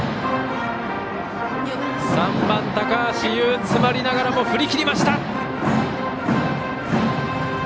３番、高橋友詰まりながらも振り切りました。